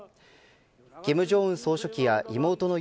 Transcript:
金正恩総書記や妹の与